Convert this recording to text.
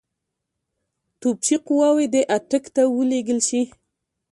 توپچي قواوې دي اټک ته ولېږل شي.